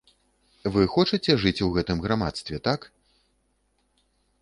Вы хочаце жыць у гэтым грамадстве, так?